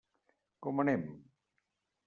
Com anem?